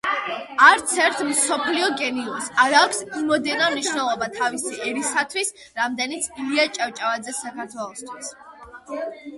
არც ერთს მსოფლიო გენიოსს არ აქვს იმოდენა მნიშვნელობა თავისი ერისათვის, რამდენიც ილია ჭავჭავაძეს საქართველოსთვის...